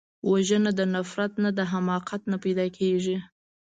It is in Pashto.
وژنه د نفرت نه، د حماقت نه پیدا کېږي